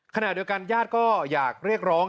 เขนะดูกันญาติก็อยากเรียกร้อง